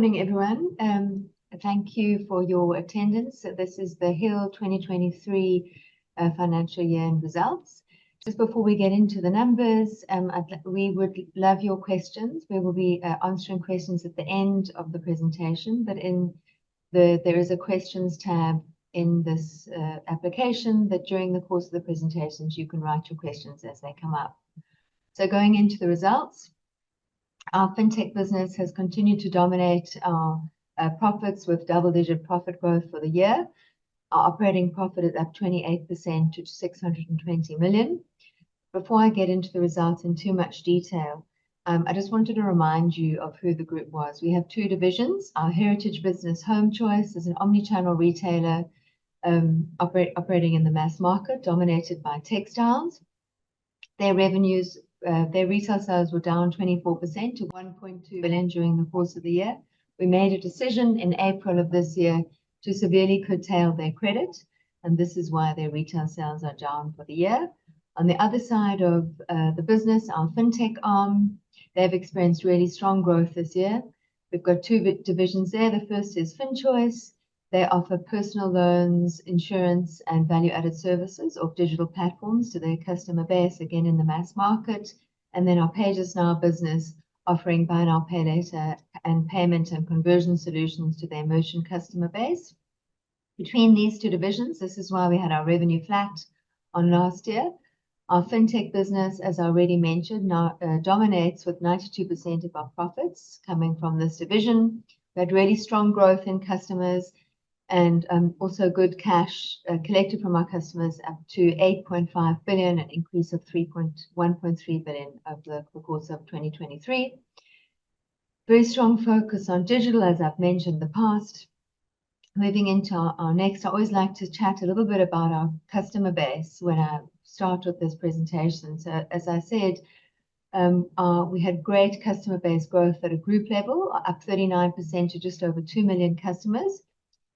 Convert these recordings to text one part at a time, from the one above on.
Morning, everyone, thank you for your attendance. So this is the HIL 2023 financial year-end results. Just before we get into the numbers, I'd like—we would love your questions. We will be answering questions at the end of the presentation, but in the... There is a Questions tab in this application, that during the course of the presentations, you can write your questions as they come up. So going into the results, our fintech business has continued to dominate our profits with double-digit profit growth for the year. Our operating profit is up 28% to 620 million. Before I get into the results in too much detail, I just wanted to remind you of who the group was. We have two divisions: our heritage business, HomeChoice, is an omni-channel retailer, operating in the mass market, dominated by textiles. Their revenues, their retail sales were down 24% to 1.2 billion during the course of the year. We made a decision in April of this year to severely curtail their credit, and this is why their retail sales are down for the year. On the other side of the business, our fintech arm, they've experienced really strong growth this year. We've got two divisions there. The first is FinChoice. They offer personal loans, insurance, and value-added services or digital platforms to their customer base, again, in the mass market. And then our PayJustNow business, offering buy now, pay later, and payment and conversion solutions to their merchant customer base. Between these two divisions, this is why we had our revenue flat on last year. Our fintech business, as I already mentioned, now dominates with 92% of our profits coming from this division. We had really strong growth in customers and also good cash collected from our customers, up to 8.5 billion, an increase of 1.3 billion over the course of 2023. Very strong focus on digital, as I've mentioned in the past. Moving into our next, I always like to chat a little bit about our customer base when I start with this presentation. So as I said, we had great customer base growth at a group level, up 39% to just over 2 million customers.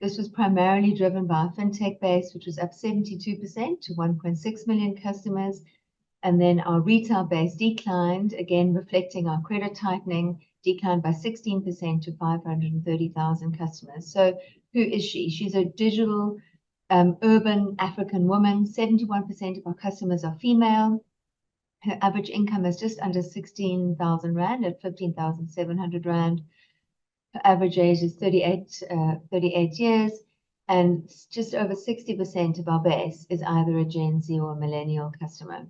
This was primarily driven by our fintech base, which was up 72% to 1.6 million customers, and then our retail base declined, again, reflecting our credit tightening, declined by 16% to 530,000 customers. So who is she? She's a digital, urban African woman. 71% of our customers are female. Her average income is just under 16,000 rand, at 15,700 rand. Her average age is 38 years, and just over 60% of our base is either a Gen Z or a millennial customer.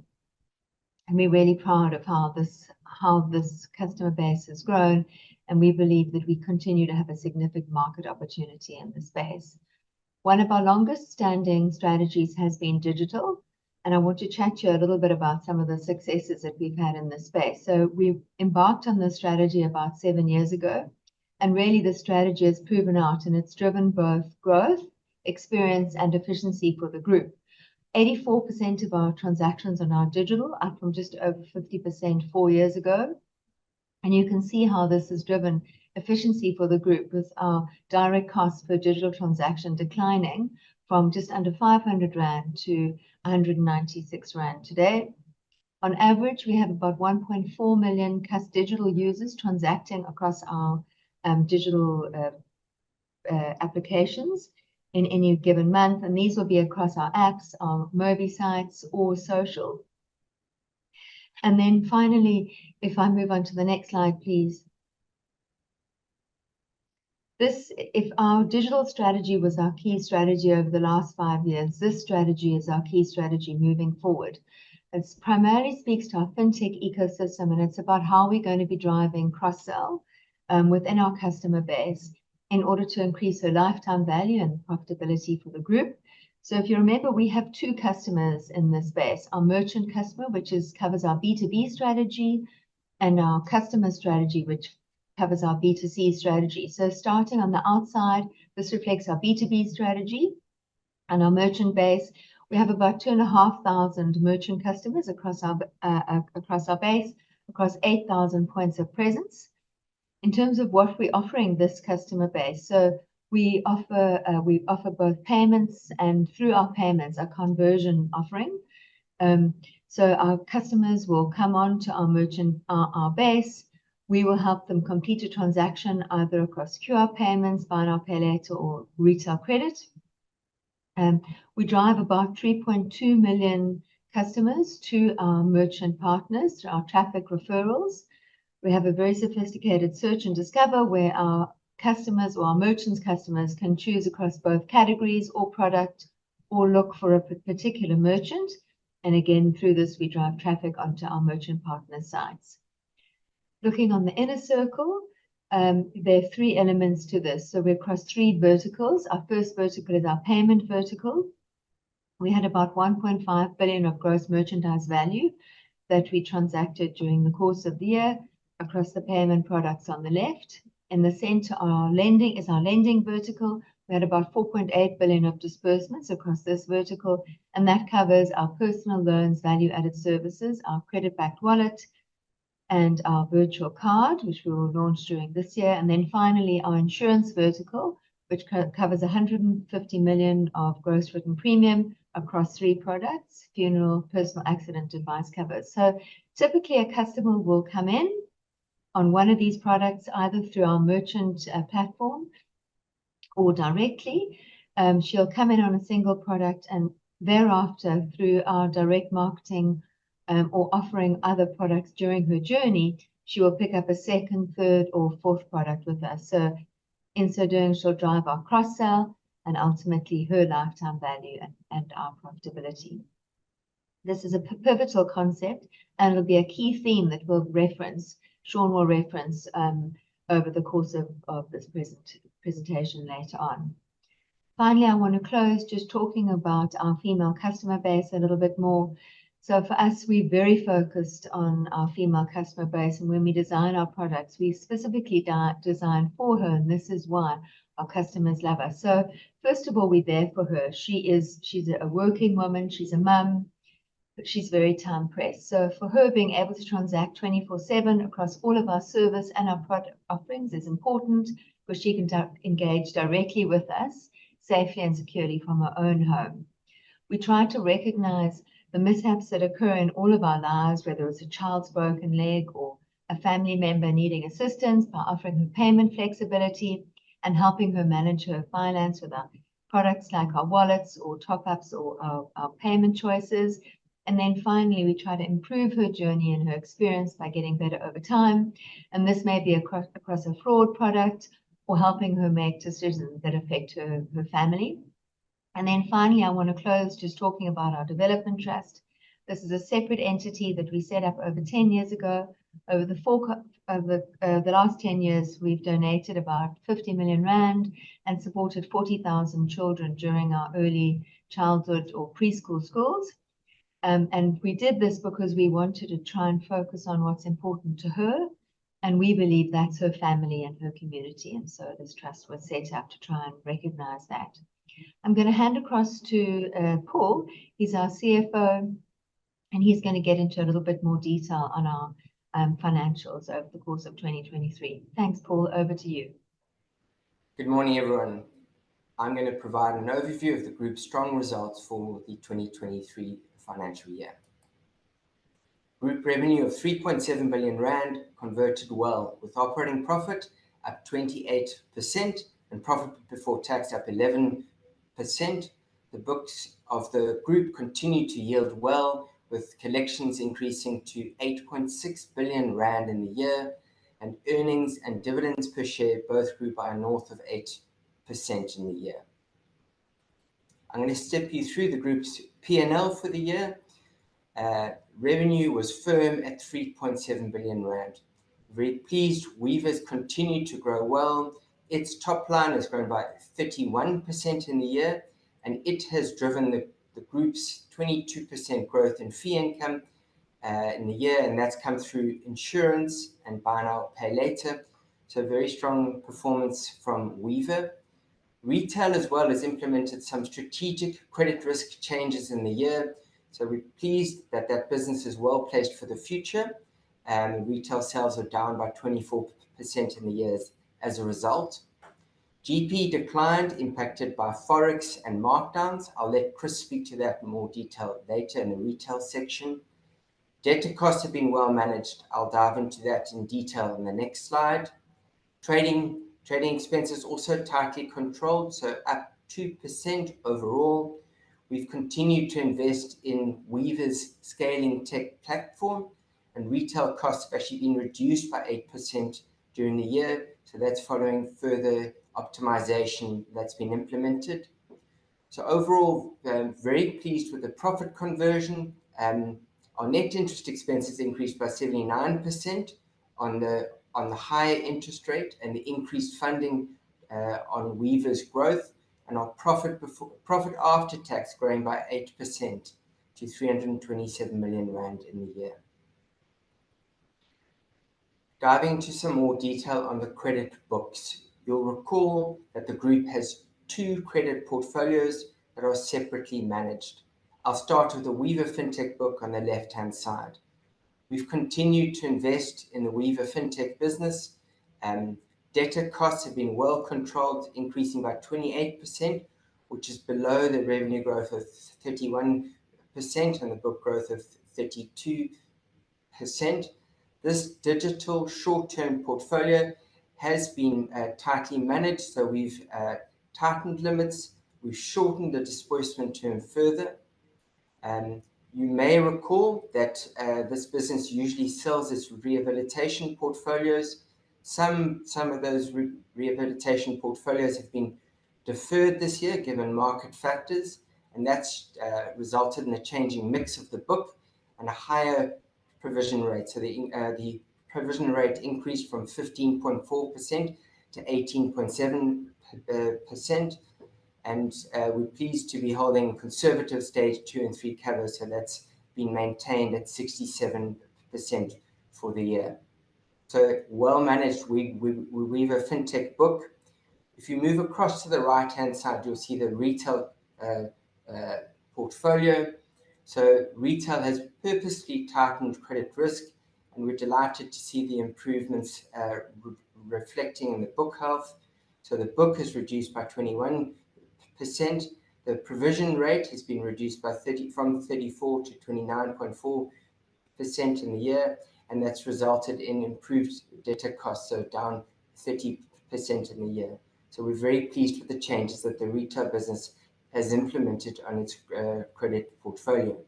And we're really proud of how this, how this customer base has grown, and we believe that we continue to have a significant market opportunity in this space. One of our longest-standing strategies has been digital, and I want to chat to you a little bit about some of the successes that we've had in this space. We've embarked on this strategy about 7 years ago, and really, the strategy has proven out, and it's driven both growth, experience, and efficiency for the group. 84% of our transactions are now digital, up from just over 50% 4 years ago, and you can see how this has driven efficiency for the group, with our direct cost per digital transaction declining from just under 500 rand to 196 rand today. On average, we have about 1.4 million digital users transacting across our digital applications in any given month, and these will be across our apps, our mobi sites or social. Then finally, if I move on to the next slide, please. This, if our digital strategy was our key strategy over the last 5 years, this strategy is our key strategy moving forward. It primarily speaks to our fintech ecosystem, and it's about how we're gonna be driving cross-sell within our customer base in order to increase their lifetime value and profitability for the group. So if you remember, we have two customers in this space, our merchant customer, which is covers our B2B strategy, and our customer strategy, which covers our B2C strategy. So starting on the outside, this reflects our B2B strategy and our merchant base. We have about 2,500 merchant customers across our base across 8,000 points of presence. In terms of what we're offering this customer base, so we offer both payments, and through our payments, a conversion offering. So our customers will come on to our merchant, our base. We will help them complete a transaction, either across QR payments, buy now, pay later, or retail credit. We drive about 3.2 million customers to our merchant partners through our traffic referrals. We have a very sophisticated search and discover, where our customers or our merchants' customers can choose across both categories or product or look for a particular merchant, and again, through this, we drive traffic onto our merchant partner sites. Looking on the inner circle, there are three elements to this, so we're across three verticals. Our first vertical is our payment vertical. We had about 1.5 billion of gross merchandise value that we transacted during the course of the year across the payment products on the left. In the center, our lending, is our lending vertical. We had about 4.8 billion of disbursements across this vertical, and that covers our personal loans, value-added services, our credit-backed wallet, and our virtual card, which we will launch during this year. And then finally, our insurance vertical, which covers 150 million of gross written premium across three products: funeral, personal accident, and device covers. So typically, a customer will come in on one of these products, either through our merchant platform... or directly, she'll come in on a single product, and thereafter, through our direct marketing, or offering other products during her journey, she will pick up a second, third, or fourth product with us. So in so doing, she'll drive our cross-sell and ultimately her lifetime value and our profitability. This is a pivotal concept, and it'll be a key theme that we'll reference, Sean will reference, over the course of this presentation later on. Finally, I want to close just talking about our female customer base a little bit more. So for us, we're very focused on our female customer base, and when we design our products, we specifically design for her, and this is why our customers love us. So first of all, we're there for her. She's a working woman, she's a mum, but she's very time-pressed. So for her, being able to transact 24/7 across all of our service and our product offerings is important, where she can engage directly with us, safely and securely from her own home. We try to recognize the mishaps that occur in all of our lives, whether it's a child's broken leg or a family member needing assistance, by offering her payment flexibility and helping her manage her finance with our products, like our wallets or top-ups or our, our payment choices. And then finally, we try to improve her journey and her experience by getting better over time, and this may be across a fraud product or helping her make decisions that affect her, her family. And then finally, I want to close just talking about our development trust. This is a separate entity that we set up over 10 years ago. Over the last 10 years, we've donated about 50 million rand and supported 40,000 children during our early childhood or preschool schools. And we did this because we wanted to try and focus on what's important to her, and we believe that's her family and her community, and so this trust was set up to try and recognize that. I'm going to hand across to Paul. He's our CFO, and he's going to get into a little bit more detail on our financials over the course of 2023. Thanks, Paul. Over to you. Good morning, everyone. I'm going to provide an overview of the group's strong results for the 2023 financial year. Group revenue of 3.7 billion rand converted well, with operating profit up 28% and profit before tax up 11%. The books of the group continued to yield well, with collections increasing to 8.6 billion rand in the year, and earnings and dividends per share both grew by north of 8% in the year. I'm going to step you through the group's P&L for the year. Revenue was firm at 3.7 billion rand. Very pleased, Weaver has continued to grow well. Its top line has grown by 31% in the year, and it has driven the group's 22% growth in fee income in the year, and that's come through insurance and buy now, pay later, so a very strong performance from Weaver. Retail as well has implemented some strategic credit risk changes in the year, so we're pleased that that business is well-placed for the future, and retail sales are down by 24% in the year as a result. GP declined, impacted by Forex and markdowns. I'll let Chris speak to that in more detail later in the retail section. Debtor costs have been well managed. I'll dive into that in detail in the next slide. Trading expenses also tightly controlled, so up 2% overall. We've continued to invest in Weaver's scaling tech platform, and retail costs have actually been reduced by 8% during the year, so that's following further optimization that's been implemented. So overall, very pleased with the profit conversion. Our net interest expenses increased by 79% on the higher interest rate and the increased funding on Weaver's growth, and our profit before... profit after tax growing by 8% to 327 million rand in the year. Diving into some more detail on the credit books, you'll recall that the group has two credit portfolios that are separately managed. I'll start with the Weaver Fintech book on the left-hand side. We've continued to invest in the Weaver Fintech business. Debtor costs have been well controlled, increasing by 28%, which is below the revenue growth of 31% and the book growth of 32%. This digital short-term portfolio has been tightly managed, so we've tightened limits, we've shortened the disbursement term further. You may recall that, this business usually sells its rehabilitation portfolios. Some of those rehabilitation portfolios have been deferred this year, given market factors, and that's resulted in a changing mix of the book and a higher provision rate. So the provision rate increased from 15.4% to 18.7%, and we're pleased to be holding conservative stage two and three covers, so that's been maintained at 67% for the year. So well-managed Weaver Fintech book. If you move across to the right-hand side, you'll see the retail portfolio. So retail has purposefully tightened credit risk, and we're delighted to see the improvements reflecting in the book health. So the book has reduced by 21%. The provision rate has been reduced by 30, from 34% to 29.4% in the year, and that's resulted in improved debtor costs, so down 30% in the year. So we're very pleased with the changes that the retail business has implemented on its credit portfolio.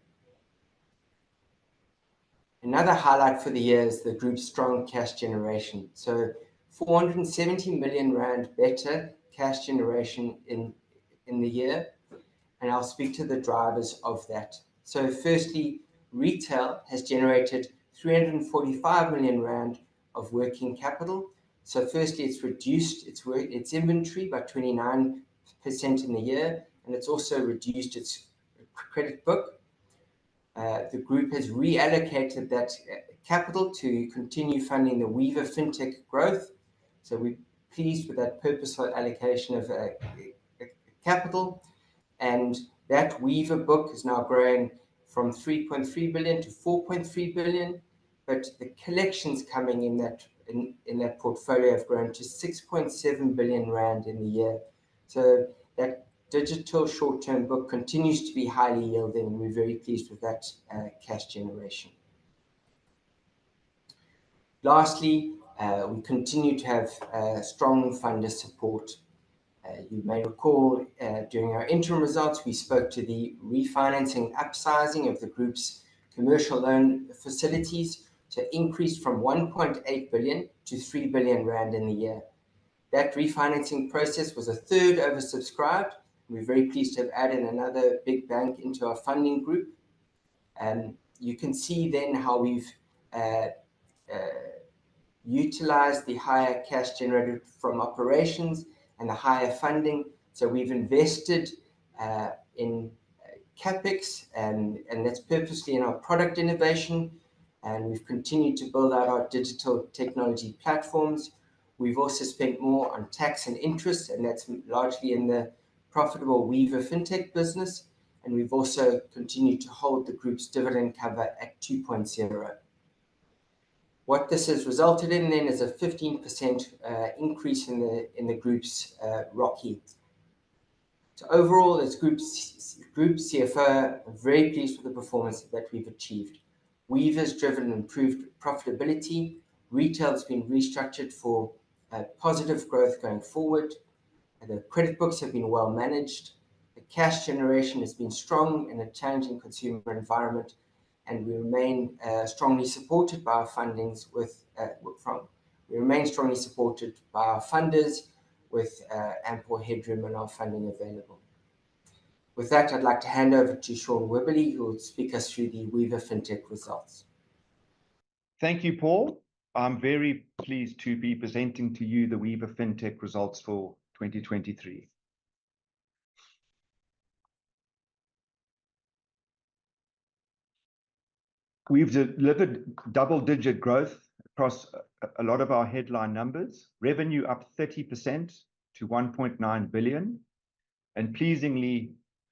Another highlight for the year is the group's strong cash generation. So 470 million rand better cash generation in the year, and I'll speak to the drivers of that. So firstly, retail has generated 345 million rand of working capital. So firstly, it's reduced its inventory by 29% in the year, and it's also reduced its credit book. The group has reallocated that capital to continue funding the Weaver Fintech growth, so we're pleased with that purposeful allocation of capital. And that Weaver book is now growing from 3.3 billion to 4.3 billion, but the collections coming in that portfolio have grown to 6.7 billion rand in the year. So that digital short-term book continues to be highly yielding, and we're very pleased with that cash generation. Lastly, we continue to have strong funder support. You may recall, during our interim results, we spoke to the refinancing upsizing of the group's commercial loan facilities to increase from 1.8 billion to 3 billion rand in the year. That refinancing process was three times oversubscribed, and we're very pleased to have added another big bank into our funding group. You can see then how we've utilized the higher cash generated from operations and the higher funding. So we've invested in CapEx, and that's purposely in our product innovation, and we've continued to build out our digital technology platforms. We've also spent more on tax and interest, and that's largely in the profitable Weaver Fintech business, and we've also continued to hold the group's dividend cover at 2.0. What this has resulted in then is a 15% increase in the group's ROCE. So overall, as group CFO, I'm very pleased with the performance that we've achieved. Weaver has driven improved profitability. Retail has been restructured for positive growth going forward, and the credit books have been well managed. The cash generation has been strong in a challenging consumer environment, and we remain strongly supported by our funders with ample headroom in our funding available. With that, I'd like to hand over to Sean Wibberley, who will speak us through the Weaver Fintech results. Thank you, Paul. I'm very pleased to be presenting to you the Weaver Fintech results for 2023. We've delivered double-digit growth across a lot of our headline numbers. Revenue up 30% to 1.9 billion, and pleasingly,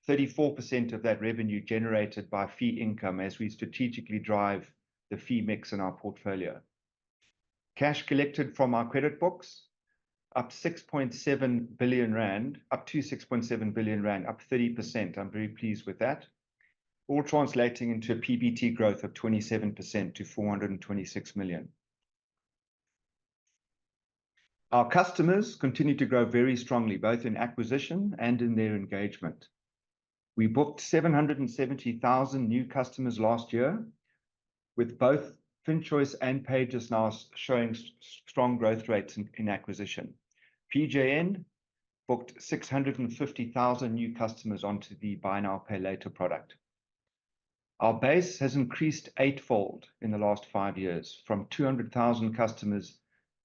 34% of that revenue generated by fee income as we strategically drive the fee mix in our portfolio. Cash collected from our credit books up 6.7 billion rand, up to 6.7 billion rand, up 30%. I'm very pleased with that. All translating into a PBT growth of 27% to 426 million. Our customers continue to grow very strongly, both in acquisition and in their engagement. We booked 770,000 new customers last year, with both FinChoice and PayJustNow showing strong growth rates in acquisition. PJN booked 650,000 new customers onto the buy now, pay later product. Our base has increased eightfold in the last five years, from 200,000 customers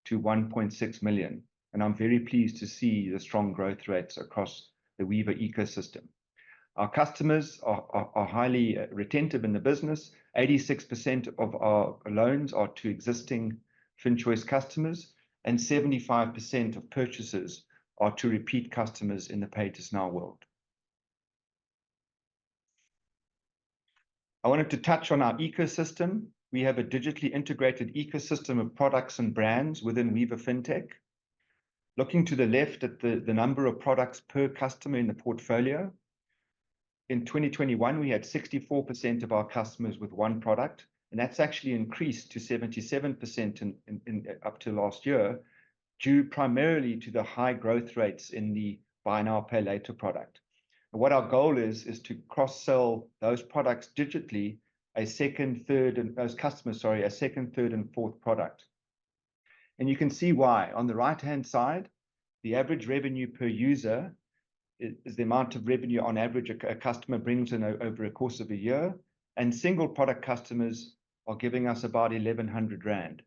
to 1.6 million, and I'm very pleased to see the strong growth rates across the Weaver ecosystem. Our customers are highly retentive in the business. 86% of our loans are to existing FinChoice customers, and 75% of purchases are to repeat customers in the PayJustNow world. I wanted to touch on our ecosystem. We have a digitally integrated ecosystem of products and brands within Weaver Fintech. Looking to the left at the number of products per customer in the portfolio, in 2021, we had 64% of our customers with one product, and that's actually increased to 77% in up to last year, due primarily to the high growth rates in the buy now, pay later product. And what our goal is to cross-sell those products digitally, a second, third, and those customers, sorry, a second, third, and fourth product, and you can see why. On the right-hand side, the average revenue per user is the amount of revenue on average a customer brings in over a course of a year, and single product customers are giving us about 1,100 rand.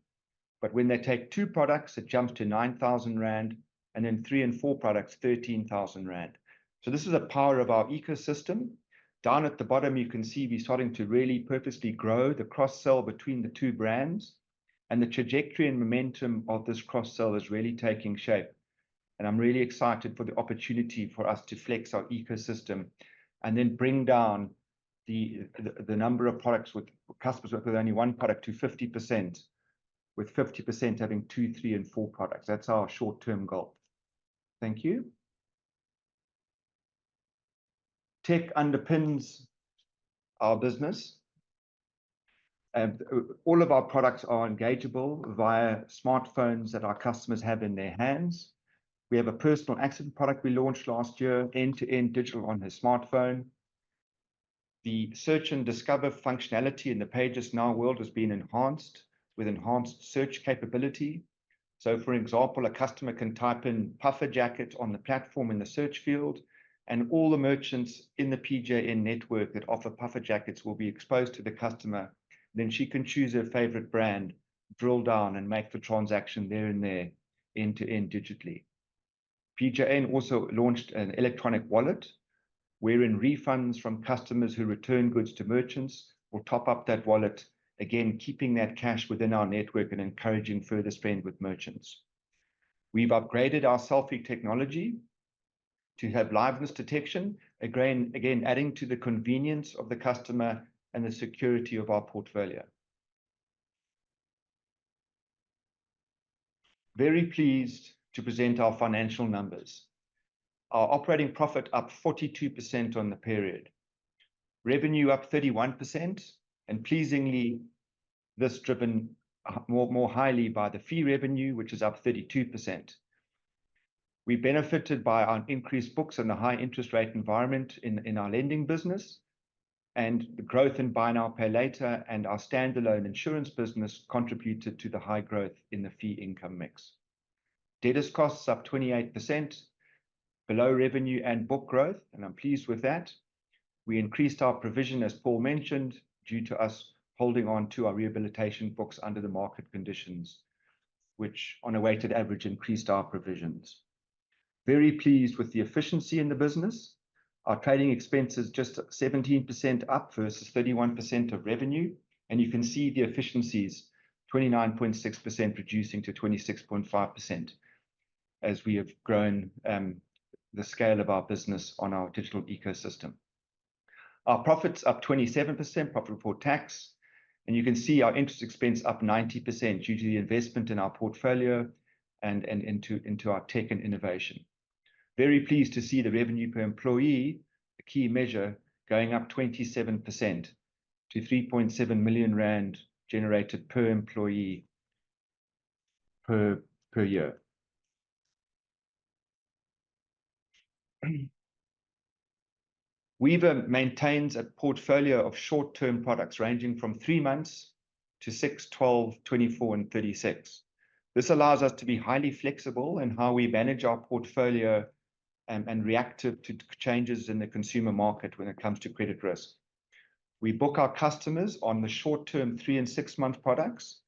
But when they take two products, it jumps to 9,000 rand, and then three and four products, 13,000 rand. So this is the power of our ecosystem. Down at the bottom, you can see we're starting to really purposely grow the cross-sell between the two brands, and the trajectory and momentum of this cross-sell is really taking shape. And I'm really excited for the opportunity for us to flex our ecosystem and then bring down the number of products with customers with only one product to 50%.... with 50% having two, three, and four products. That's our short-term goal. Thank you. Tech underpins our business, and all of our products are engageable via smartphones that our customers have in their hands. We have a personal accident product we launched last year, end-to-end digital on their smartphone. The Search and Discover functionality in the PayJustNow world has been enhanced with enhanced search capability. So, for example, a customer can type in puffer jacket on the platform in the search field, and all the merchants in the PJN network that offer puffer jackets will be exposed to the customer. Then she can choose her favorite brand, drill down, and make the transaction then and there, end-to-end digitally. PJN also launched an electronic wallet, wherein refunds from customers who return goods to merchants will top up that wallet, again, keeping that cash within our network and encouraging further spend with merchants. We've upgraded our selfie technology to have liveness detection, again, again, adding to the convenience of the customer and the security of our portfolio. Very pleased to present our financial numbers. Our operating profit up 42% on the period, revenue up 31%, and pleasingly, this driven, more, more highly by the fee revenue, which is up 32%. We benefited by our increased books and the high interest rate environment in our lending business, and the growth in buy now, pay later, and our standalone insurance business contributed to the high growth in the fee income mix. Debtors' costs up 28%, below revenue and book growth, and I'm pleased with that. We increased our provision, as Paul mentioned, due to us holding on to our rehabilitation books under the market conditions, which on a weighted average, increased our provisions. Very pleased with the efficiency in the business. Our trading expense is just 17% up versus 31% of revenue, and you can see the efficiencies, 29.6%, reducing to 26.5% as we have grown the scale of our business on our digital ecosystem. Our profits up 27% profit before tax, and you can see our interest expense up 90% due to the investment in our portfolio and into our tech and innovation. Very pleased to see the revenue per employee, a key measure, going up 27% to 3.7 million rand generated per employee per year. Weaver maintains a portfolio of short-term products, ranging from 3 months to 6, 12, 24, and 36. This allows us to be highly flexible in how we manage our portfolio and reactive to changes in the consumer market when it comes to credit risk. We book our customers on the short-term, 3- and 6-month products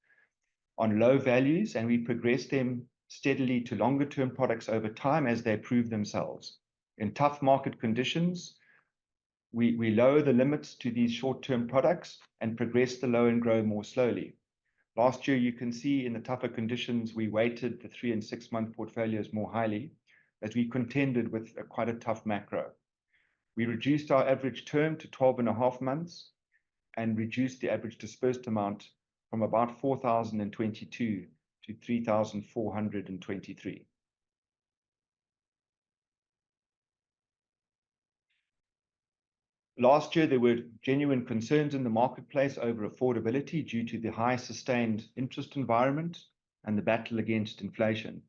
on low values, and we progress them steadily to longer-term products over time as they prove themselves. In tough market conditions, we lower the limits to these short-term products and progress the low and grow more slowly. Last year, you can see in the tougher conditions, we weighted the 3- and 6-month portfolios more highly, as we contended with quite a tough macro. We reduced our average term to 12.5 months and reduced the average dispersed amount from about 4,022 to 3,423. Last year, there were genuine concerns in the marketplace over affordability due to the high sustained interest environment and the battle against inflation.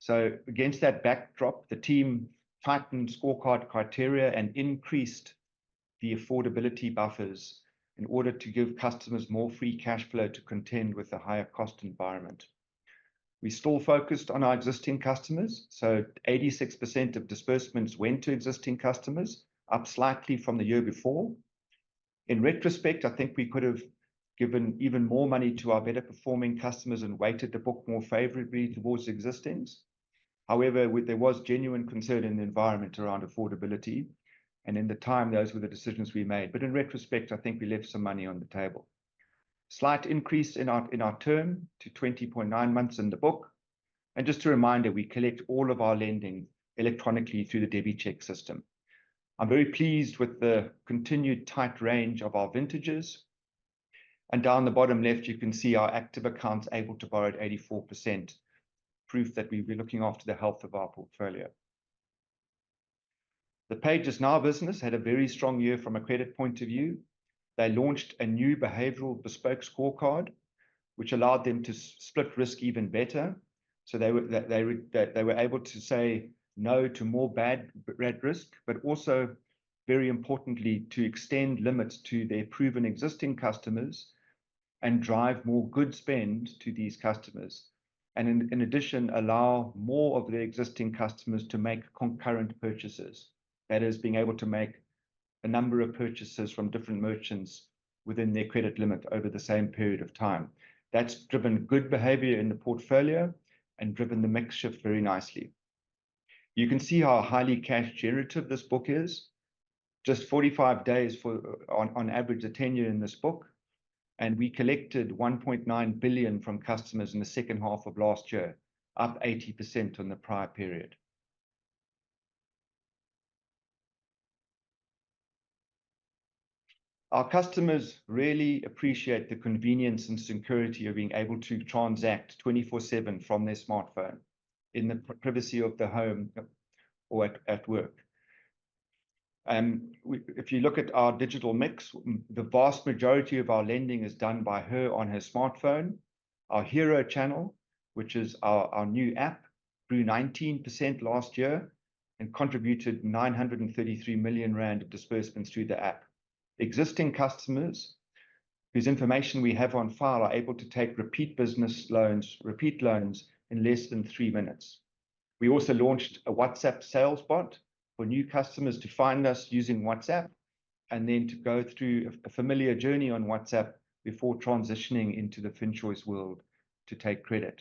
So against that backdrop, the team tightened scorecard criteria and increased the affordability buffers in order to give customers more free cash flow to contend with the higher cost environment. We still focused on our existing customers, so 86% of disbursements went to existing customers, up slightly from the year before. In retrospect, I think we could have given even more money to our better-performing customers and weighted the book more favorably towards existents. However, there was genuine concern in the environment around affordability, and in the time, those were the decisions we made. But in retrospect, I think we left some money on the table. Slight increase in our term to 20.9 months in the book, and just a reminder, we collect all of our lending electronically through the DebiCheck system. I'm very pleased with the continued tight range of our vintages, and down the bottom left, you can see our active accounts able to borrow at 84%, proof that we've been looking after the health of our portfolio. The PayJustNow business had a very strong year from a credit point of view. They launched a new behavioral bespoke scorecard, which allowed them to split risk even better. So they were able to say no to more bad red risk, but also, very importantly, to extend limits to their proven existing customers and drive more good spend to these customers and in addition, allow more of their existing customers to make concurrent purchases. That is, being able to make a number of purchases from different merchants within their credit limit over the same period of time. That's driven good behavior in the portfolio and driven the mix shift very nicely. You can see how highly cash generative this book is, just 45 days for... On average, a tenure in this book, and we collected 1.9 billion from customers in the second half of last year, up 80% on the prior period. Our customers really appreciate the convenience and security of being able to transact 24/7 from their smartphone in the privacy of their home or at work. We—if you look at our digital mix, the vast majority of our lending is done via their smartphone. Our hero channel, which is our new app, grew 19% last year and contributed 933 million rand of disbursements through the app. Existing customers, whose information we have on file, are able to take repeat business loans, repeat loans, in less than three minutes. We also launched a WhatsApp sales bot for new customers to find us using WhatsApp, and then to go through a familiar journey on WhatsApp before transitioning into the FinChoice world to take credit.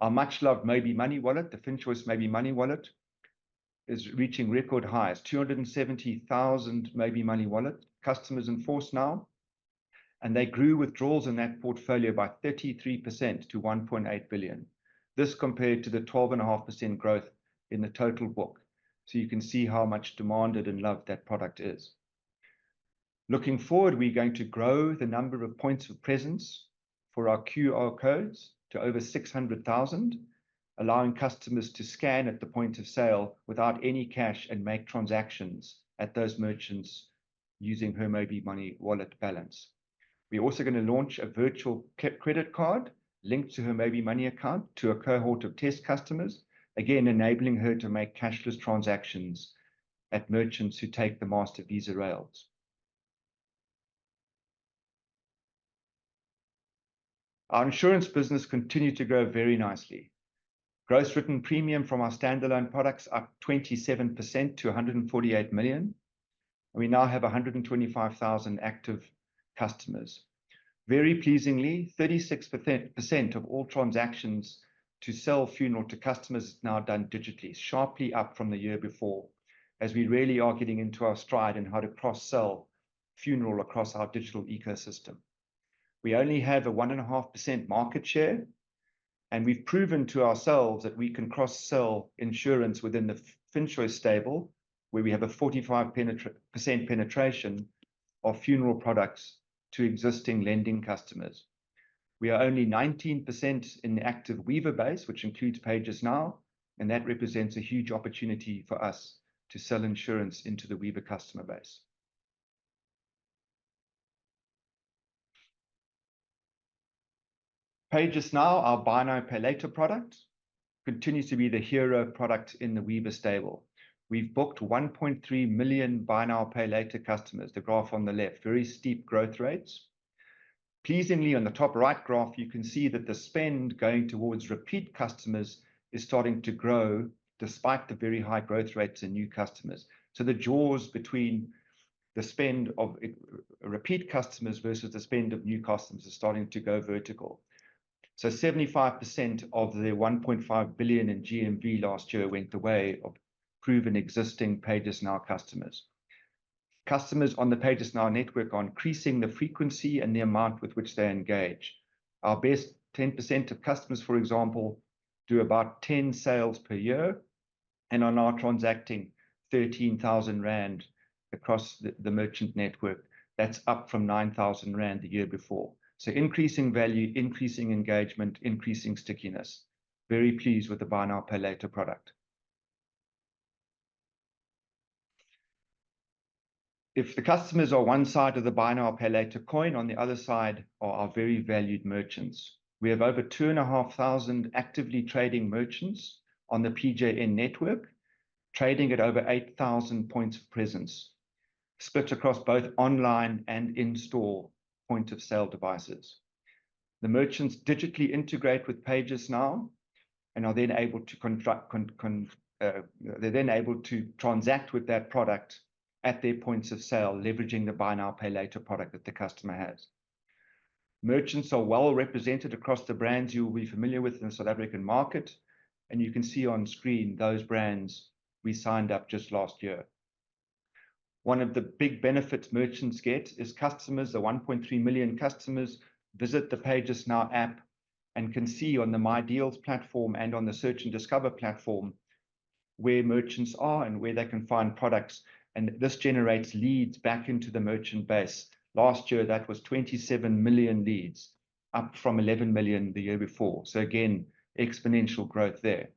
Our much-loved MobiMoney Wallet, the FinChoice MobiMoney Wallet, is reaching record highs. 270,000 MobiMoney Wallet customers in force now, and they grew withdrawals in that portfolio by 33% to 1.8 billion. This compared to the 12.5% growth in the total book, so you can see how much demanded and loved that product is. Looking forward, we're going to grow the number of points of presence for our QR codes to over 600,000, allowing customers to scan at the point of sale without any cash and make transactions at those merchants using our MobiMoney Wallet balance. We're also gonna launch a virtual credit card linked to her MobiMoney account to a cohort of test customers, again, enabling her to make cashless transactions at merchants who take the Mastercard and Visa rails. Our insurance business continued to grow very nicely. Gross written premium from our standalone products up 27% to 148 million, and we now have 125,000 active customers. Very pleasingly, 36% of all transactions to sell funeral to customers is now done digitally, sharply up from the year before, as we really are getting into our stride in how to cross-sell funeral across our digital ecosystem. We only have a 1.5% market share, and we've proven to ourselves that we can cross-sell insurance within the FinChoice stable, where we have a 45 penetra... % penetration of funeral products to existing lending customers. We are only 19% in the active Weaver base, which includes PayJustNow, and that represents a huge opportunity for us to sell insurance into the Weaver customer base. PayJustNow, our buy now, pay later product, continues to be the hero product in the Weaver stable. We've booked 1.3 million buy now, pay later customers, the graph on the left, very steep growth rates. Pleasingly, on the top right graph, you can see that the spend going towards repeat customers is starting to grow, despite the very high growth rates in new customers. So the jaws between the spend of repeat customers versus the spend of new customers is starting to go vertical. So 75% of the 1.5 billion in GMV last year went the way of proven existing PayJustNow customers. Customers on the PayJustNow network are increasing the frequency and the amount with which they engage. Our best 10% of customers, for example, do about 10 sales per year and are now transacting 13,000 rand across the merchant network. That's up from 9,000 rand the year before. So increasing value, increasing engagement, increasing stickiness. Very pleased with the buy now, pay later product. If the customers are one side of the buy now, pay later coin, on the other side are our very valued merchants. We have over 2,500 actively trading merchants on the PJN network, trading at over 8,000 points of presence, split across both online and in-store point of sale devices. The merchants digitally integrate with PayJustNow and are then able to contract con- con... They're then able to transact with that product at their points of sale, leveraging the buy now, pay later product that the customer has. Merchants are well represented across the brands you will be familiar with in the South African market, and you can see on screen those brands we signed up just last year. One of the big benefits merchants get is customers, the 1.3 million customers, visit the PayJustNow app and can see on the My Deals platform and on the Search and Discover platform, where merchants are and where they can find products, and this generates leads back into the merchant base. Last year, that was 27 million leads, up from 11 million the year before, so again, exponential growth there.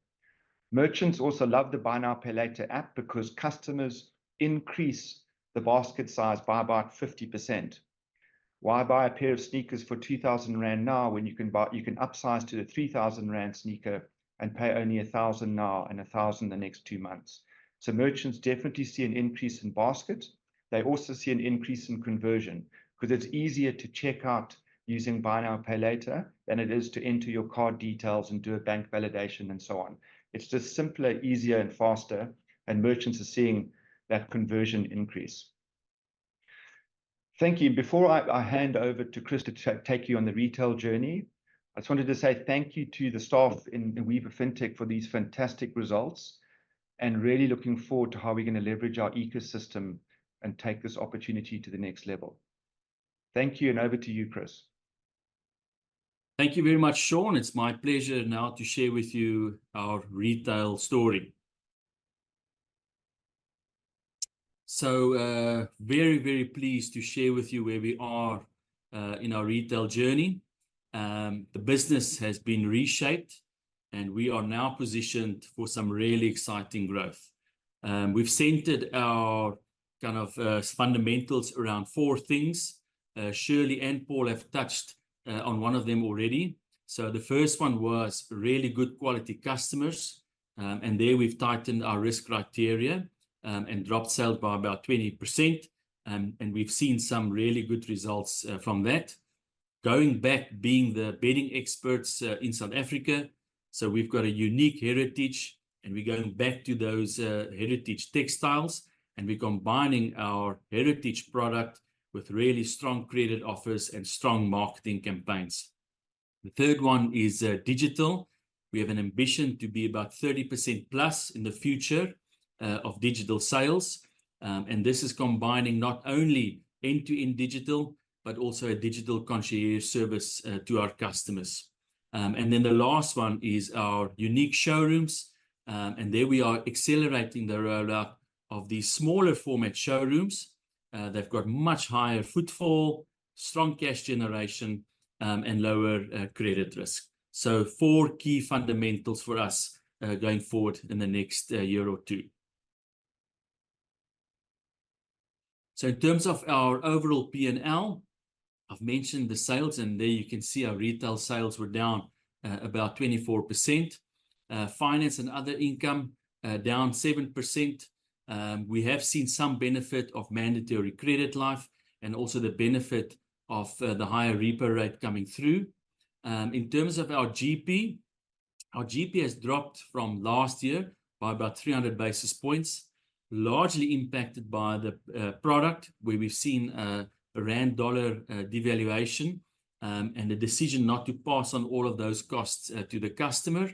Merchants also love the buy now, pay later app because customers increase the basket size by about 50%. Why buy a pair of sneakers for 2,000 rand now when you can upsize to the 3,000 rand sneaker and pay only 1,000 now and 1,000 in the next two months? So merchants definitely see an increase in basket. They also see an increase in conversion, 'cause it's easier to check out using buy now, pay later than it is to enter your card details and do a bank validation, and so on. It's just simpler, easier, and faster, and merchants are seeing that conversion increase. Thank you. Before I hand over to Chris to take you on the retail journey, I just wanted to say thank you to the staff in the Weaver Fintech for these fantastic results, and really looking forward to how we're gonna leverage our ecosystem and take this opportunity to the next level. Thank you, and over to you, Chris.... Thank you very much, Sean. It's my pleasure now to share with you our retail story. So, very, very pleased to share with you where we are in our retail journey. The business has been reshaped, and we are now positioned for some really exciting growth. We've centered our kind of fundamentals around four things. Shirley and Paul have touched on one of them already. So the first one was really good quality customers, and there we've tightened our risk criteria, and dropped sales by about 20%. And we've seen some really good results from that. Going back, being the bedding experts in South Africa, so we've got a unique heritage, and we're going back to those heritage textiles, and we're combining our heritage product with really strong credit offers and strong marketing campaigns. The third one is digital. We have an ambition to be about 30% plus in the future of digital sales. And this is combining not only end-to-end digital, but also a digital concierge service to our customers. And then the last one is our unique showrooms, and there we are accelerating the roll-out of these smaller format showrooms. They've got much higher footfall, strong cash generation, and lower credit risk. So four key fundamentals for us going forward in the next year or two. So in terms of our overall P&L, I've mentioned the sales, and there you can see our retail sales were down about 24%. Finance and other income down 7%. We have seen some benefit of mandatory credit life and also the benefit of the higher repo rate coming through. In terms of our GP, our GP has dropped from last year by about 300 basis points, largely impacted by the product, where we've seen a rand-dollar devaluation and the decision not to pass on all of those costs to the customer.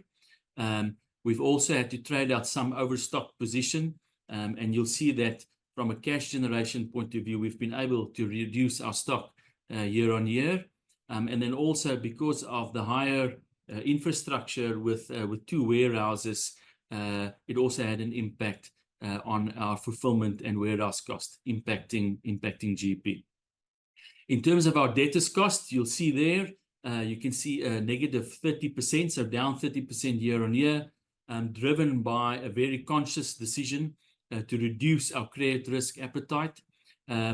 We've also had to trade out some overstock position, and you'll see that from a cash generation point of view, we've been able to reduce our stock year-over-year. And then also because of the higher infrastructure with 2 warehouses, it also had an impact on our fulfillment and warehouse cost, impacting GP. In terms of our debtors cost, you'll see there, you can see a -30%, so down 30% year-on-year, driven by a very conscious decision to reduce our credit risk appetite.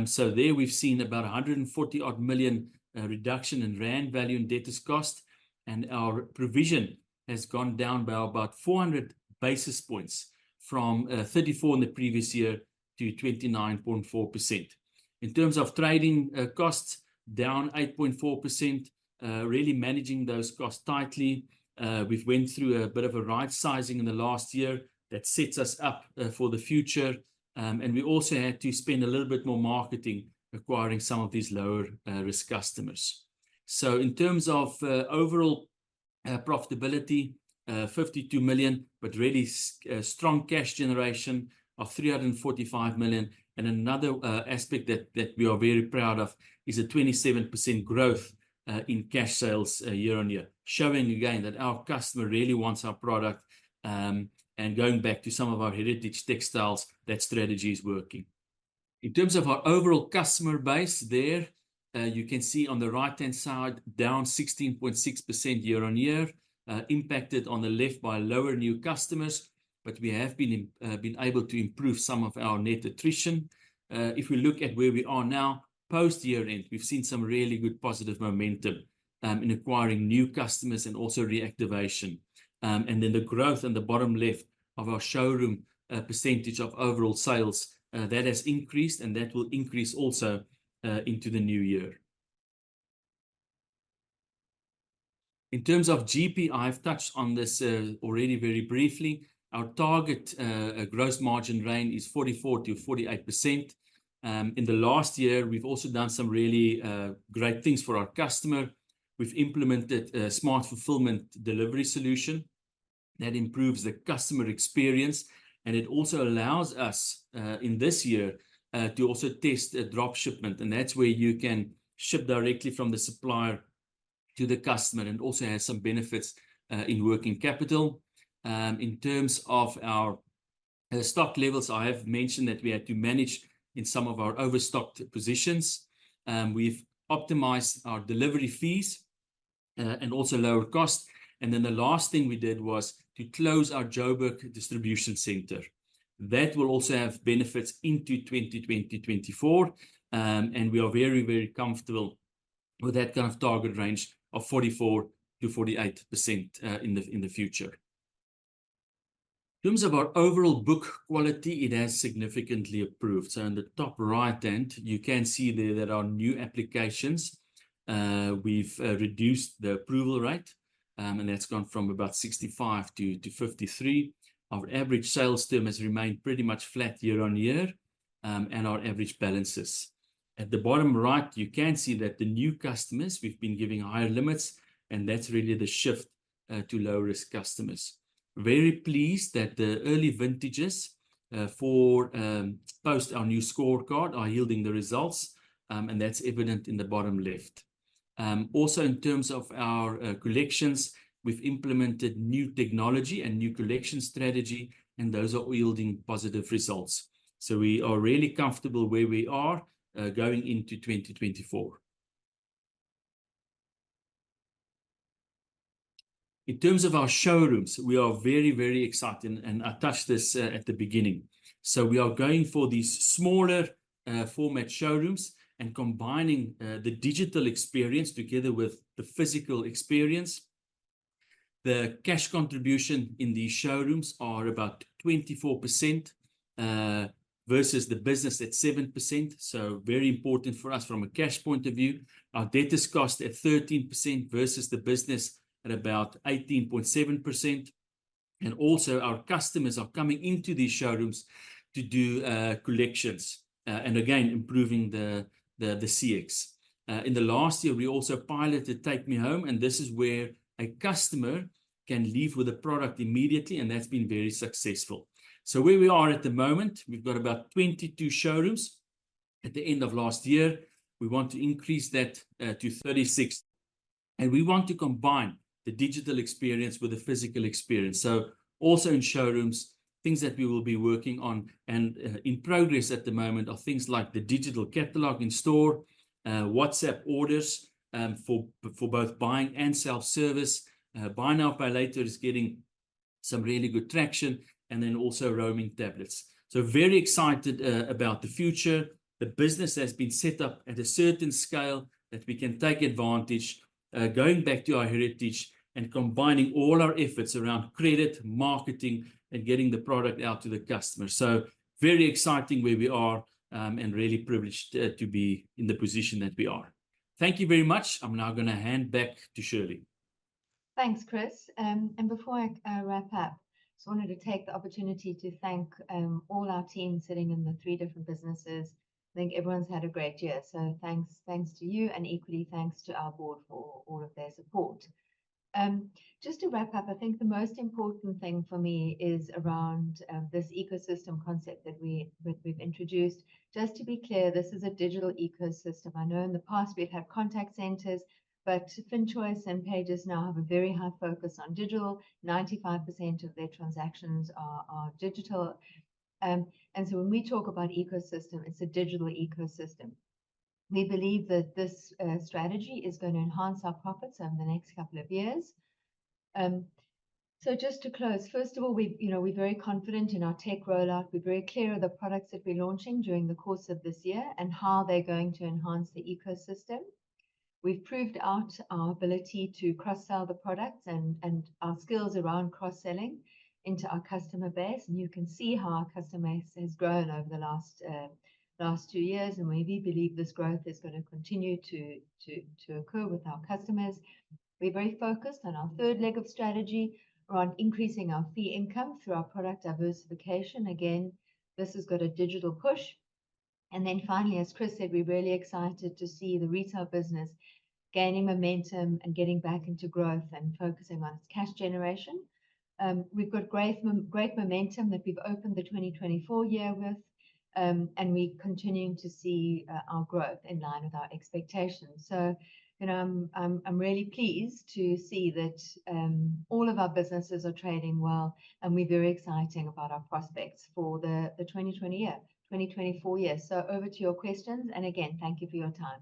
So there we've seen about 140 million reduction in rand value and debtors cost, and our provision has gone down by about 400 basis points, from 34 in the previous year to 29.4%. In terms of trading costs, down 8.4%. Really managing those costs tightly. We've went through a bit of a right sizing in the last year. That sets us up for the future. And we also had to spend a little bit more marketing, acquiring some of these lower risk customers. So in terms of overall profitability, 52 million, but really strong cash generation of 345 million. And another aspect that we are very proud of is a 27% growth in cash sales year-on-year, showing again that our customer really wants our product. And going back to some of our heritage textiles, that strategy is working. In terms of our overall customer base, there you can see on the right-hand side, down 16.6% year-on-year, impacted on the left by lower new customers, but we have been able to improve some of our net attrition. If we look at where we are now, post-year end, we've seen some really good positive momentum in acquiring new customers and also reactivation. And then the growth in the bottom left of our showroom percentage of overall sales that has increased, and that will increase also into the new year. In terms of GP, I've touched on this already very briefly. Our target gross margin range is 44%-48%. In the last year, we've also done some really great things for our customer. We've implemented a smart fulfillment delivery solution that improves the customer experience, and it also allows us in this year to also test a drop shipment, and that's where you can ship directly from the supplier to the customer. It also has some benefits in working capital. In terms of our stock levels, I have mentioned that we had to manage in some of our overstocked positions. We've optimized our delivery fees, and also lower cost. Then the last thing we did was to close our Joburg distribution center. That will also have benefits into 2024, and we are very, very comfortable with that kind of target range of 44%-48% in the future. In terms of our overall book quality, it has significantly improved. In the top right hand, you can see there that our new applications, we've reduced the approval rate, and that's gone from about 65 to 53. Our average sales term has remained pretty much flat year-on-year, and our average balances. At the bottom right, you can see that the new customers, we've been giving higher limits, and that's really the shift to low-risk customers. Very pleased that the early vintages for post our new scorecard are yielding the results, and that's evident in the bottom left. Also, in terms of our collections, we've implemented new technology and new collection strategy, and those are yielding positive results. So we are really comfortable where we are going into 2024. In terms of our showrooms, we are very, very excited, and I touched this at the beginning. So we are going for these smaller format showrooms and combining the digital experience together with the physical experience. The cash contribution in these showrooms are about 24%, versus the business at 7%, so very important for us from a cash point of view. Our debtors cost at 13% versus the business at about 18.7%, and also our customers are coming into these showrooms to do collections, and again, improving the CX. In the last year, we also piloted Take Me Home, and this is where a customer can leave with a product immediately, and that's been very successful. So where we are at the moment, we've got about 22 showrooms at the end of last year. We want to increase that to 36, and we want to combine the digital experience with the physical experience. So also in showrooms, things that we will be working on and in progress at the moment are things like the digital catalog in store, WhatsApp orders, for both buying and self-service. Buy now, pay later is getting some really good traction, and then also roaming tablets. So very excited about the future. The business has been set up at a certain scale that we can take advantage, going back to our heritage and combining all our efforts around credit, marketing, and getting the product out to the customer. So very exciting where we are, and really privileged to be in the position that we are. Thank you very much. I'm now gonna hand back to Shirley. Thanks, Chris. Before I wrap up, just wanted to take the opportunity to thank all our team sitting in the three different businesses. I think everyone's had a great year, so thanks, thanks to you, and equally, thanks to our board for all of their support. Just to wrap up, I think the most important thing for me is around this ecosystem concept that we... that we've introduced. Just to be clear, this is a digital ecosystem. I know in the past we've had contact centers, but FinChoice and PayJustNow have a very high focus on digital. 95% of their transactions are digital. And so when we talk about ecosystem, it's a digital ecosystem. We believe that this strategy is gonna enhance our profits over the next couple of years. So just to close, first of all, we, you know, we're very confident in our tech rollout. We're very clear of the products that we're launching during the course of this year and how they're going to enhance the ecosystem. We've proved out our ability to cross-sell the products and our skills around cross-selling into our customer base, and you can see how our customer base has grown over the last two years, and we believe this growth is gonna continue to occur with our customers. We're very focused on our third leg of strategy, around increasing our fee income through our product diversification. Again, this has got a digital push. And then finally, as Chris said, we're really excited to see the retail business gaining momentum and getting back into growth and focusing on its cash generation. We've got great momentum that we've opened the 2024 year with, and we're continuing to see our growth in line with our expectations. So, you know, I'm really pleased to see that all of our businesses are trading well, and we're very exciting about our prospects for the 2024 year. So over to your questions, and again, thank you for your time.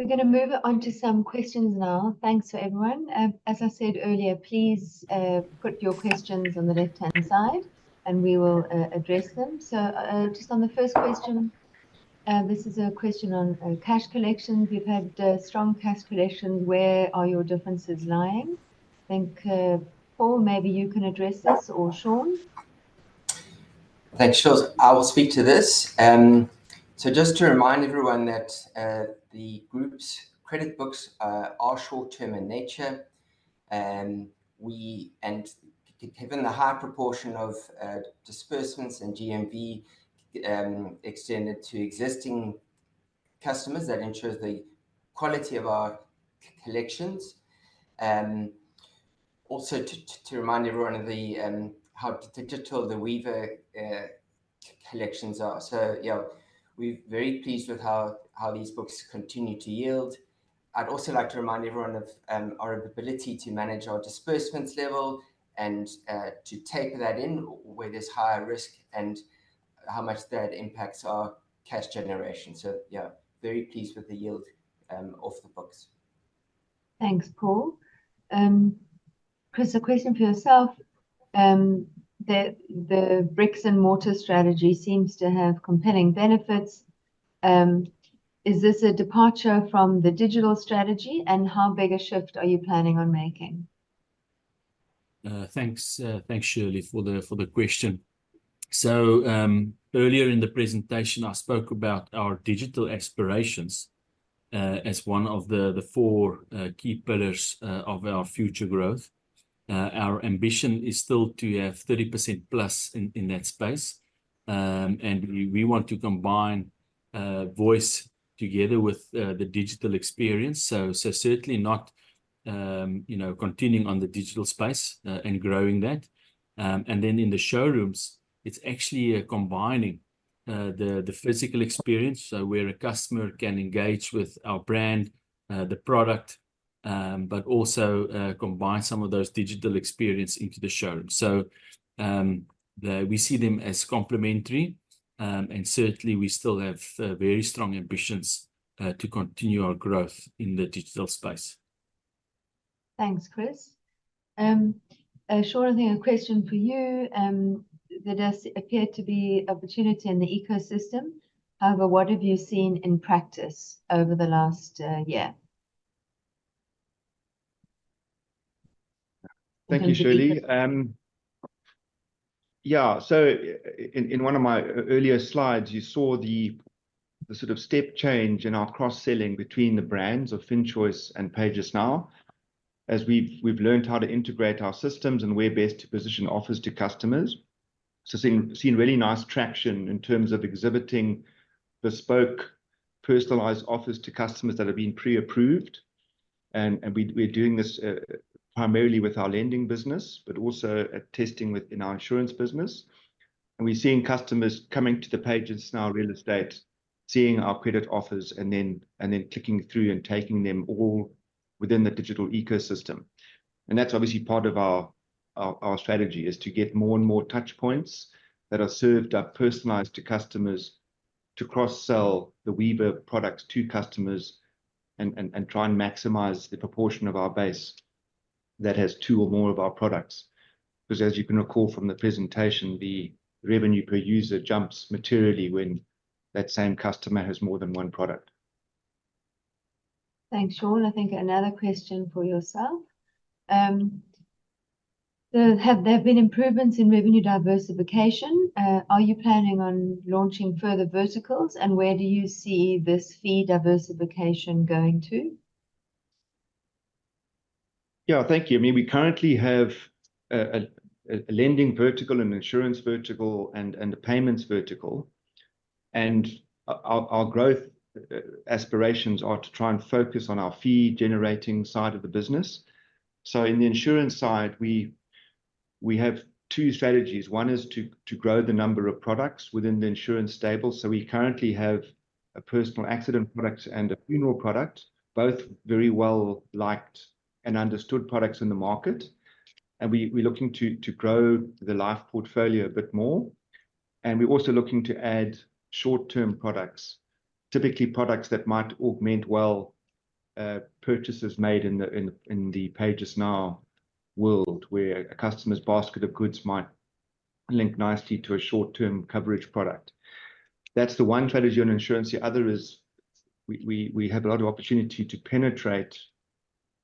We're gonna move on to some questions now. Thanks to everyone. As I said earlier, please put your questions on the left-hand side, and we will address them. So, just on the first question, this is a question on cash collection. We've had strong cash collection. Where are your differences lying? I think, Paul, maybe you can address this, or Sean. Thanks, Shirley. I will speak to this. So just to remind everyone that the group's credit books are short term in nature. And given the high proportion of disbursements and GMV extended to existing customers, that ensures the quality of our collections. Also, to remind everyone of how digital the Weaver collections are. So, yeah, we're very pleased with how these books continue to yield. I'd also like to remind everyone of our ability to manage our disbursements level and to take that in where there's higher risk and how much that impacts our cash generation. So, yeah, very pleased with the yield of the books. Thanks, Paul. Chris, a question for yourself: the bricks-and-mortar strategy seems to have compelling benefits. Is this a departure from the digital strategy, and how big a shift are you planning on making? Thanks, thanks, Shirley, for the, for the question. So, earlier in the presentation, I spoke about our digital aspirations, as one of the four key pillars of our future growth. Our ambition is still to have 30% plus in that space. And we want to combine voice together with the digital experience. So, certainly not, you know, continuing on the digital space, and growing that. And then in the showrooms, it's actually combining the physical experience, so where a customer can engage with our brand, the product, but also combine some of those digital experience into the showroom. We see them as complementary, and certainly we still have very strong ambitions to continue our growth in the digital space. Thanks, Chris. Sean, I think a question for you. There does appear to be opportunity in the ecosystem. However, what have you seen in practice over the last year? Thank you, Shirley. Yeah, so in one of my earlier slides, you saw the sort of step change in our cross-selling between the brands of FinChoice and PayJustNow. As we've learned how to integrate our systems and where best to position offers to customers. So seeing really nice traction in terms of exhibiting bespoke, personalized offers to customers that have been pre-approved, and we're doing this primarily with our lending business, but also testing within our insurance business. And we're seeing customers coming to the PayJustNow Real Estate, seeing our credit offers, and then clicking through and taking them all within the digital ecosystem. That's obviously part of our strategy, is to get more and more touch points that are served up personalized to customers to cross-sell the Weaver products to customers and try and maximize the proportion of our base that has two or more of our products. 'Cause as you can recall from the presentation, the revenue per user jumps materially when that same customer has more than one product. Thanks, Sean. I think another question for yourself. So have there been improvements in revenue diversification? Are you planning on launching further verticals, and where do you see this fee diversification going to? Yeah, thank you. I mean, we currently have a lending vertical, an insurance vertical, and a payments vertical. And our growth aspirations are to try and focus on our fee-generating side of the business. So in the insurance side, we have two strategies. One is to grow the number of products within the insurance stable. So we currently have a personal accident product and a funeral product, both very well-liked and understood products in the market, and we're looking to grow the life portfolio a bit more. And we're also looking to add short-term products, typically products that might augment purchases made in the PayJustNow world, where a customer's basket of goods might link nicely to a short-term coverage product. That's the one strategy on insurance. The other is we have a lot of opportunity to penetrate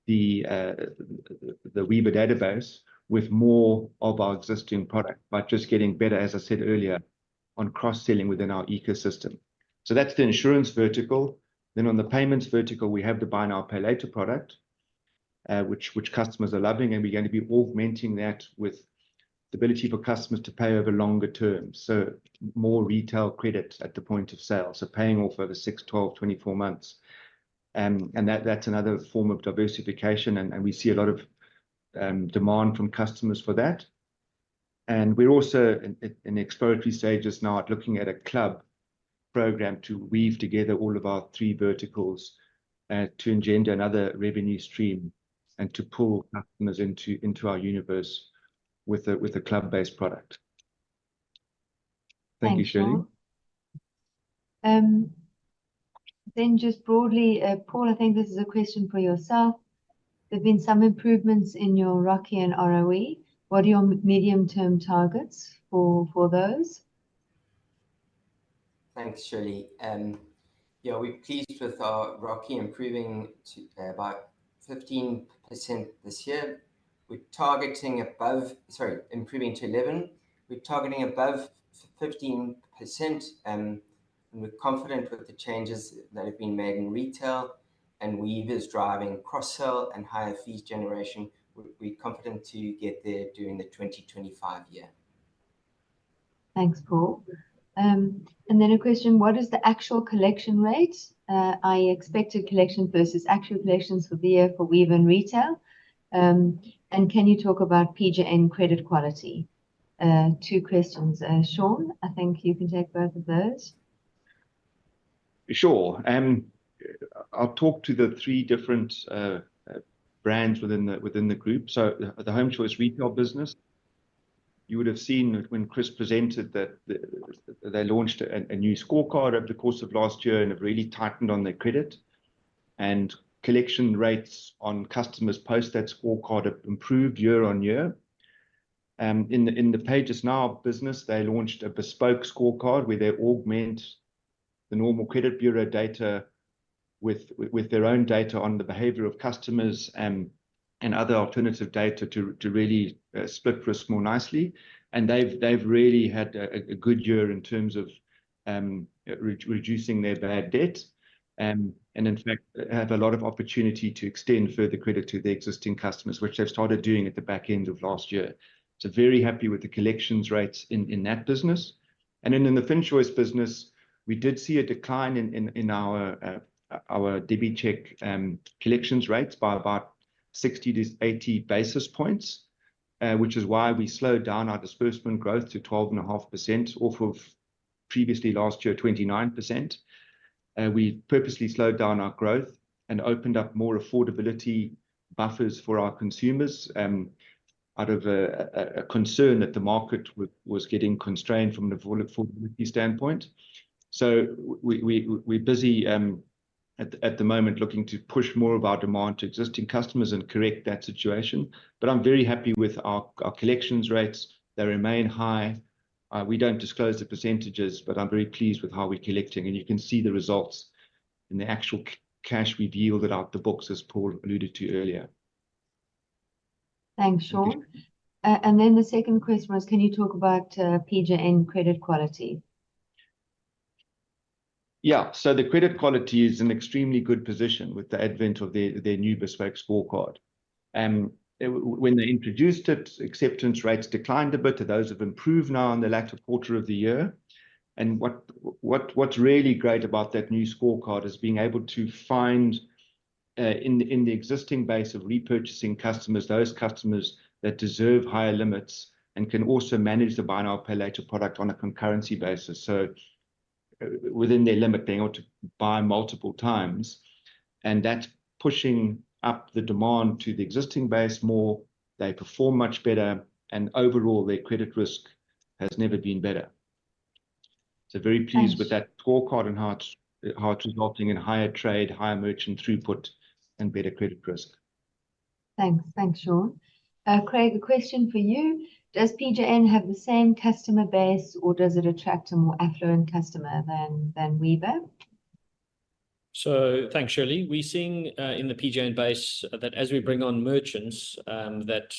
the Weaver database with more of our existing product by just getting better, as I said earlier, on cross-selling within our ecosystem. So that's the insurance vertical. Then on the payments vertical, we have the buy now, pay later product, which customers are loving, and we're going to be augmenting that with the ability for customers to pay over longer term, so more retail credit at the point of sale. So paying off over 6, 12, 24 months. And that, that's another form of diversification, and we see a lot of demand from customers for that. And we're also in the exploratory stages now at looking at a club program to weave together all of our three verticals, to engender another revenue stream and to pull customers into our universe with a club-based product. Thank you, Shirley. Thanks, Sean. Then just broadly, Paul, I think this is a question for yourself. There've been some improvements in your ROCE and ROE. What are your medium-term targets for those? Thanks, Shirley. Yeah, we're pleased with our ROCE improving to about 15% this year. We're targeting above... Sorry, improving to 11%. We're targeting above fifteen percent, and we're confident with the changes that have been made in retail, and Weaver's driving cross-sell and higher fees generation. We're, we're confident to get there during the 2025 year. Thanks, Paul. A question: What is the actual collection rate, i.e., expected collection versus actual collections for the year for Weaver and retail? Can you talk about PJN credit quality? Two questions. Sean, I think you can take both of those. Sure, I'll talk to the three different brands within the group. So the HomeChoice retail business, you would have seen when Chris presented that they launched a new scorecard over the course of last year and have really tightened on their credit. Collection rates on customers post that scorecard have improved year on year. In the PayJustNow business, they launched a bespoke scorecard where they augment the normal credit bureau data with their own data on the behavior of customers and other alternative data to really split risk more nicely. And they've really had a good year in terms of reducing their bad debt, and in fact, have a lot of opportunity to extend further credit to their existing customers, which they've started doing at the back end of last year. So very happy with the collections rates in that business. And then in the FinChoice business, we did see a decline in our debit order collections rates by about 60-80 basis points, which is why we slowed down our disbursement growth to 12.5% off of previously last year, 29%. We purposely slowed down our growth and opened up more affordability buffers for our consumers, out of a concern that the market was getting constrained from the volatility standpoint. So we're busy at the moment looking to push more of our demand to existing customers and correct that situation. But I'm very happy with our collections rates. They remain high. We don't disclose the percentages, but I'm very pleased with how we're collecting, and you can see the results in the actual cash we've yielded out the books, as Paul alluded to earlier. Thanks, Sean. And then the second question was, can you talk about, PJN credit quality? Yeah. So the credit quality is in extremely good position with the advent of their new bespoke scorecard. When they introduced it, acceptance rates declined a bit, but those have improved now in the latter quarter of the year. And what's really great about that new scorecard is being able to find in the existing base of repurchasing customers, those customers that deserve higher limits and can also manage the buy now, pay later product on a concurrency basis. So within their limit, being able to buy multiple times, and that's pushing up the demand to the existing base more. They perform much better, and overall, their credit risk has never been better. Thanks. Very pleased with that scorecard and how it's resulting in higher trade, higher merchant throughput, and better credit risk. Thanks. Thanks, Sean. Craig, a question for you: Does PJN have the same customer base, or does it attract a more affluent customer than Weba? So thanks, Shirley. We're seeing, in the PJN base, that as we bring on merchants, that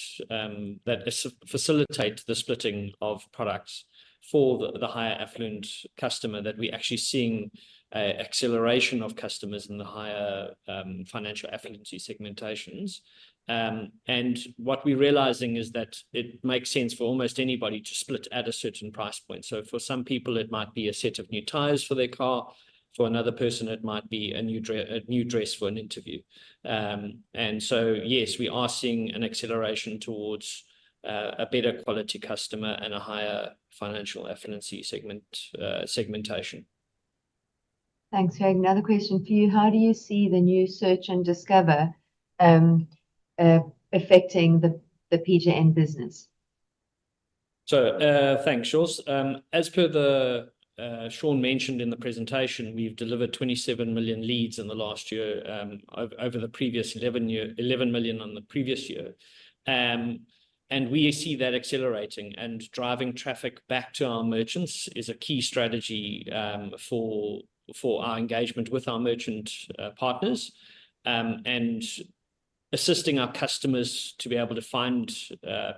facilitate the splitting of products for the, the higher affluent customer, that we're actually seeing an acceleration of customers in the higher, financial affluence segmentation. And what we're realizing is that it makes sense for almost anybody to split at a certain price point. So for some people, it might be a set of new tires for their car. For another person, it might be a new dress for an interview. And so, yes, we are seeing an acceleration towards, a better quality customer and a higher financial affluence segment, segmentation. Thanks, Craig. Another question for you: How do you see the new Search and Discover affecting the PJN business? Thanks, Shirley. As per the Sean mentioned in the presentation, we've delivered 27 million leads in the last year, 11 million on the previous year. And we see that accelerating and driving traffic back to our merchants is a key strategy for our engagement with our merchant partners. And assisting our customers to be able to find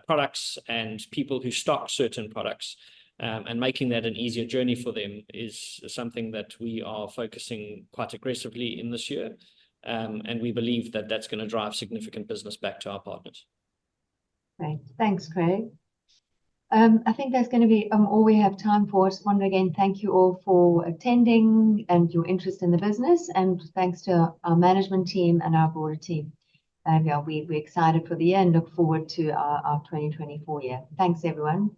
products and people who stock certain products and making that an easier journey for them is something that we are focusing quite aggressively in this year. And we believe that that's gonna drive significant business back to our partners. Great. Thanks, Craig. I think that's gonna be all we have time for. So once again, thank you all for attending and your interest in the business, and thanks to our management team and our broader team. Yeah, we, we're excited for the year and look forward to our, our 2024 year. Thanks, everyone.